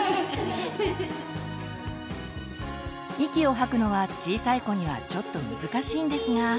息を吐くのは小さい子にはちょっと難しいんですが。